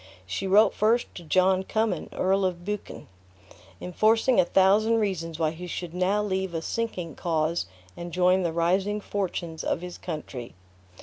She wrote first to John Cummin, Earl of Buchan, enforcing a thousand reasons why he should now leave a sinking cause and join the rising fortunes of his country.